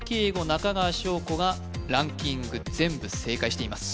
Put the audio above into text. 中川翔子がランキング全部正解しています